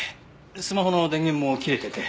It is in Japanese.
スマホの電源も切れてて。